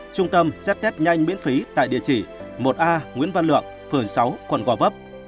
trung tâm xét test nhanh miễn phí tại địa chỉ một a nguyễn văn lượng phường sáu quận gò vấp